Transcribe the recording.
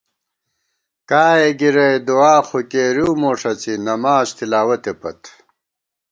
کائےگِرَئی دُعا خو کېرِؤ مو ݭَڅی نماڅ تِلاوتے پت